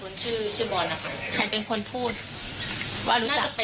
ของมันตกอยู่ด้านนอก